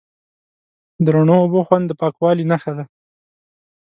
د رڼو اوبو خوند د پاکوالي نښه ده.